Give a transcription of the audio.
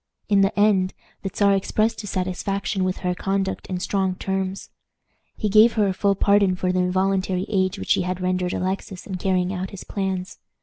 In the end, the Czar expressed his satisfaction with her conduct in strong terms. He gave her a full pardon for the involuntary aid which she had rendered Alexis in carrying out his plans.